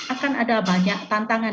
akan ada banyak tantangan